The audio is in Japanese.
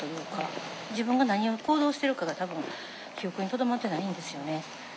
自分が何を行動してるかが多分記憶にとどまってないんですよね。